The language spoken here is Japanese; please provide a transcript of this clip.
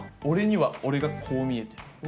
俺には俺がこう見えてる。